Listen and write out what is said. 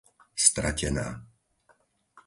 Stratená